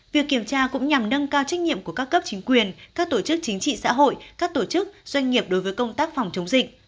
việc kiểm tra cũng nhằm nâng cao trách nhiệm của các cấp chính quyền các tổ chức chính trị xã hội các tổ chức doanh nghiệp đối với công tác phòng chống dịch